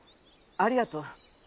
ありがとう。